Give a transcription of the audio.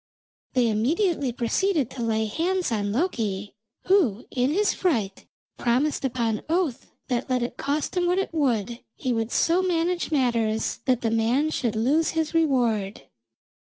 They immediately proceeded to lay hands on Loki, who, in his fright, promised upon oath that let it cost him what it would, he would so manage matters that the man should lose his reward.